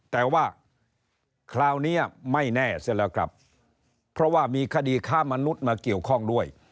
แต่ว่าคราวนี้ไม่แน่เสร็จแล้วครับเพราะว่ามีคดีค้ามนุษย์มาเกี่ยวข้องด้วย